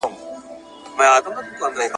کوه نور غوندي ځلېږي یو غمی پکښي پیدا کړي !.